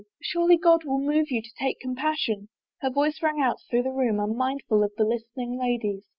Surely God will move you to take compassion !" Her voice rang out through the room unmindful of the listening ladies.